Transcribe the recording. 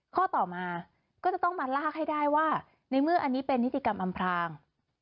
ข้อต่อมาก็จะต้องมาลากให้ได้ว่าในเมื่ออันนี้เป็นนิติกรรมอำพราง